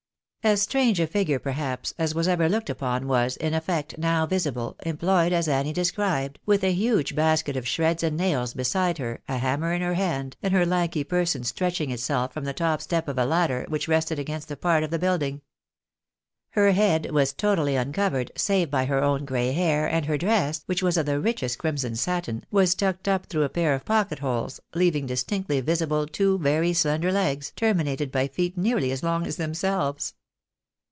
As strange a figure, perhaps, as was ever looked upon was, in effect, now visible, employed as Annie described, with a huge basket of shreds and nails beside her, a hammer in her hand, and her lanky person stretching itself from the top step of a ladder, which rested against a part of the building. Her head was totally uncovered, save by her own gray hair, and her dress, which was of the richest crimson satin, was tucked up through a pair of pocket holes, leaving distinctly visible two very slender legs, terminated by feet nearly as long as themselves.